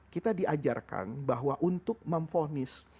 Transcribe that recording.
kita diajarkan bahwa untuk memfonis